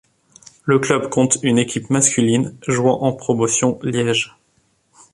Le club compte une équipe masculine, jouant en Promotion Liège.